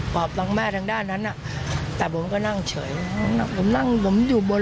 อบทางแม่ทางด้านนั้นน่ะแต่ผมก็นั่งเฉยผมนั่งผมอยู่บน